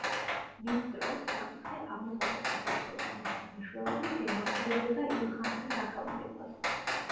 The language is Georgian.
მის დროს სამცხე აღმოსავლეთ საქართველოს მეფის მეშვეობით ემორჩილებოდა ილხანთა სახელმწიფოს.